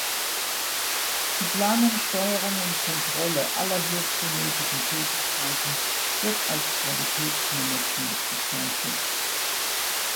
Die Planung, Steuerung und Kontrolle aller hierzu nötigen Tätigkeiten wird als Qualitätsmanagement bezeichnet.